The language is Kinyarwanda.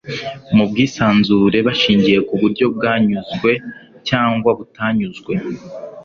mu bwisanzure bashingiye ku buryo banyuzwe cyangwa batanyuzwe